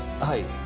はい。